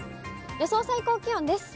予想最高気温です。